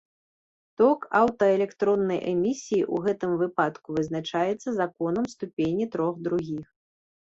Ток аўтаэлектроннай эмісіі ў гэтым выпадку вызначаецца законам ступені трох другіх.